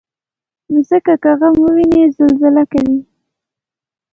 مځکه که غم وویني، زلزله کوي.